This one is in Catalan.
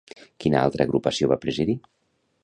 Quina altra agrupació va presidir?